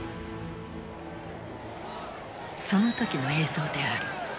その時の映像である。